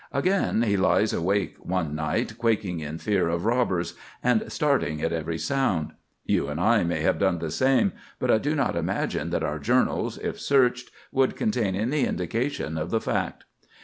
Again, he lies awake one night quaking in fear of robbers, and starting at every sound. You and I may have done the same; but I do not imagine that our journals, if searched, would contain any indication of the fact.